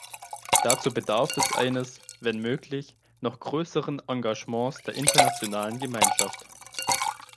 Dazu bedarf es eines, wenn möglich, noch größeren Engagements der internationalen Gemeinschaft.